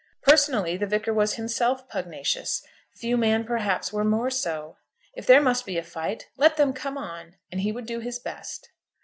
Personally the Vicar was himself pugnacious. Few men, perhaps, were more so. If there must be a fight let them come on, and he would do his best.